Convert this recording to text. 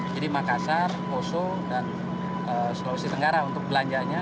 jadi makassar poso dan sulawesi tenggara untuk belanjanya